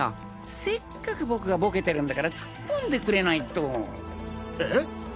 せっかく僕がボケてるんだから突っ込んでくれないと。